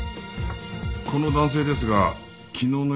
この男性ですが昨日の夜こちらへは？